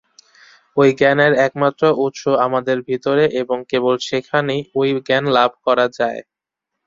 ঐ জ্ঞানের একমাত্র উৎস আমাদের ভিতরে এবং কেবল সেইখানেই ঐ জ্ঞান লাভ করা যায়।